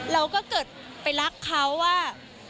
เราก็เกิดไปรักเขาว่า